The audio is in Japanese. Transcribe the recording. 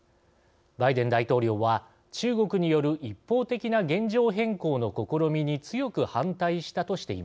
バイデン大統領は中国による一方的な現状変更の試みに強く反対したとしています。